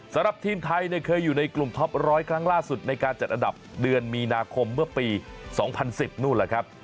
สำหรับทีมไทยเคยอยู่ในกลุ่มท็อป๑๐๐ครั้งล่าสุดในการจัดอันดับเดือนมีนาคมเมื่อปี๒๐๑๐นู่นแหละครับ